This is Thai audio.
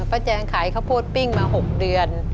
แจงขายข้าวโพดปิ้งมา๖เดือน